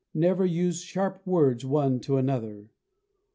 Never use sharp words one to another.